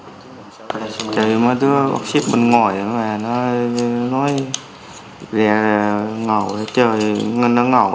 trời mấy đứa bắt xếp bên ngoài nói rè rè ngầu trời ngân nó ngầu